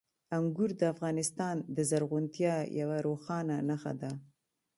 انګور د افغانستان د زرغونتیا یوه روښانه نښه ده.